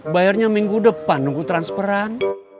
bayarnya minggu depan nunggu transferan